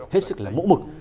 hết sức là mỗ mực